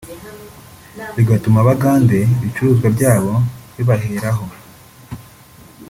bigatuma abagande ibicuruzwa byabo bibaheraho